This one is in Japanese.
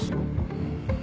うん。